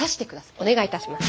お願いいたします。